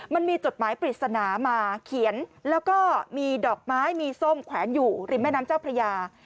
จดหมายปริศนามาเขียนแล้วก็มีดอกไม้มีส้มแขวนอยู่ริมแม่น้ำเจ้าพระยา